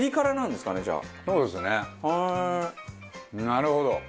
なるほど。